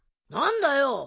何だよ